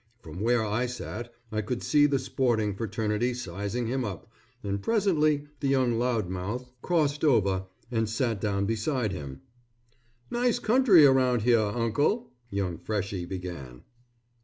From where I sat, I could see the sporting fraternity sizing him up and presently the young loudmouth crossed over and sat down beside him. "Nice country around here Uncle," young freshy began.